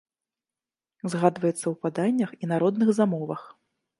Згадваецца ў паданнях і народных замовах.